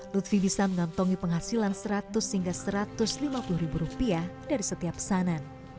lutfi bisa mengantongi penghasilan seratus hingga satu ratus lima puluh ribu rupiah dari setiap pesanan